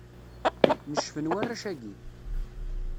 Necfen warrac-agi.